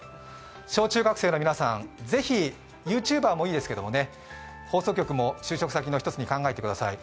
小中学生の皆さん、是非ＹｏｕＴｕｂｅｒもいいですけど放送局も就職先の１つに考えてください。